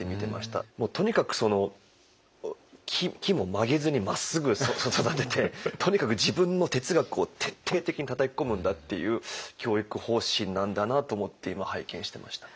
もうとにかくその木も曲げずにまっすぐ育ててとにかく自分の哲学を徹底的にたたき込むんだっていう教育方針なんだなと思って今拝見してました。